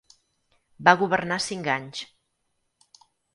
Va governar cinc anys.